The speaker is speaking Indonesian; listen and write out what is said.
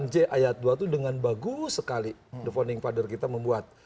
dua puluh delapan j ayat dua itu dengan bagus sekali the funding funding kita membuat